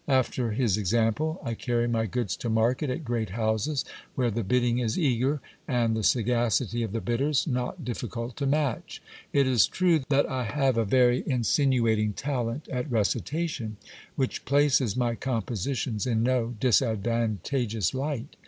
After his example, I carry my goods to market at great houses where the bid ding is eager, and the sagacity of the bidders not difficult to match. It is true that I have a very insinuating talent at recitation ; which places my compositions in no disadvantageous light.